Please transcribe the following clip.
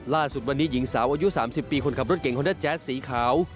ล่าสุดวันนี้หญิงสาวอายุ๓๐ปีคนขับรถเก่งฮอนด้าแจ๊สสีขาว